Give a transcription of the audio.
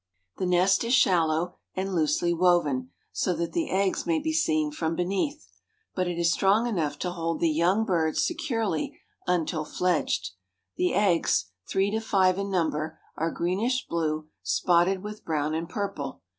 The nest is shallow and loosely woven, so that the eggs may be seen from beneath. But it is strong enough to hold the young birds securely until fledged. The eggs, three to five in number, are greenish blue, spotted with brown and purple.